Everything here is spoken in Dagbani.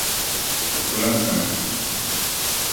O ku lahi kana!